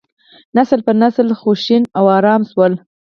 نسل په نسل غوښین او ارام شول.